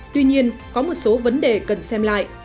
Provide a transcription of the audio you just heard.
tuy nhiên có một số vấn đề cần xem lại